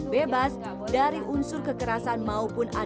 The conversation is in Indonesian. bebas dari unsur kekerasan maupun ancaman